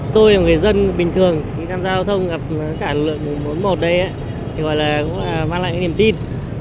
tôi là người dân bình thường khi đang giao thông gặp cả lực lượng một trăm bốn mươi một đây thì gọi là cũng là mang lại niềm tin